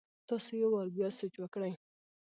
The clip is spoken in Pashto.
تاسي يو وار بيا سوچ وکړئ!